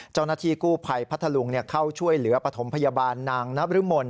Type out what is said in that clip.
เจ้าหน้าที่กู้ภัยพัทธลุงเข้าช่วยเหลือปฐมพยาบาลนางนบรมน